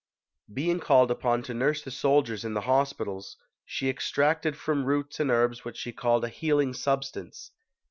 Being called upon to nurse the soldiers in the hospitals, she extracted from roots and herbs what she called a healing substance.